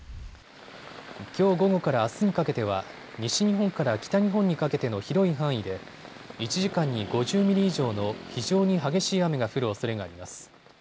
きょう午後からあすにかけては西日本から北日本にかけての広い範囲で１時間に５０ミリ以上の非常に激しい雨が降るおそれがあります。